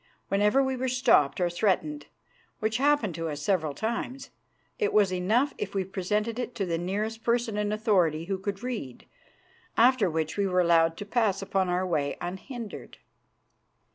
Whenever we were stopped or threatened, which happened to us several times, it was enough if we presented it to the nearest person in authority who could read, after which we were allowed to pass upon our way unhindered.